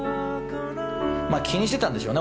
気にしてたんでしょうね